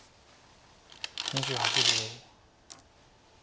２８秒。